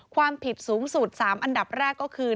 ความผิดสูงสุด๓อันดับแรกก็คือ